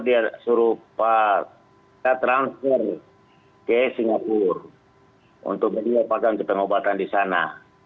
jadi dia suruh pak lukas transfer ke singapura untuk beliau pegang ke pengobatan di sana